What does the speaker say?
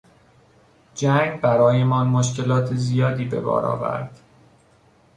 جنگ برایمان مشکلات زیادی به بار آورد.